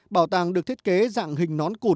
bảo tàng được thiết kế dạng hình nón cụt